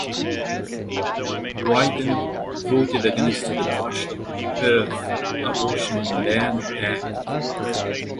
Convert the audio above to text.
Wyden voted against the Partial-Birth Abortion Ban Act.